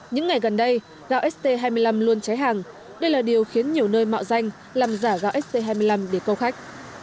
những ngày gần đây gạo st hai mươi năm luôn cháy hàng đây là điều khiến nhiều nơi mạo danh làm giả gạo st hai mươi năm để câu khách